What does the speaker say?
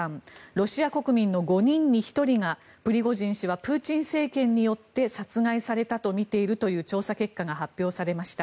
ロシア国民の５人に１人がプリゴジン氏はプーチン政権によって殺害されたとみているという調査結果が発表されました。